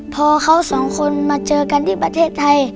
พอเขาสองคนมาเจอกันที่ประเทศไทย